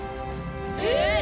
えっ？